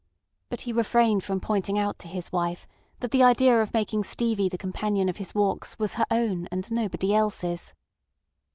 But he refrained from pointing out to his wife that the idea of making Stevie the companion of his walks was her own, and nobody else's.